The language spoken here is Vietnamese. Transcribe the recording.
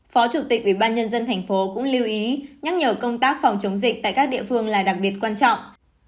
phó chủ tịch ủy ban nhân dân thành phố cũng lưu ý nhắc nhở công tác phòng chống dịch tại các địa phương là đặc biệt quan trọng